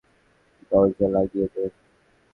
দরজা লাগিয়ে দে।